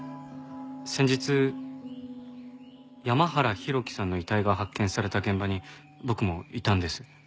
先日山原浩喜さんの遺体が発見された現場に僕もいたんです。